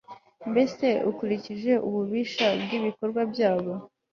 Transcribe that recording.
mbese ukurikije ububisha bw'ibikorwa byabo